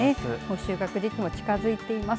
収穫時期も近づいています。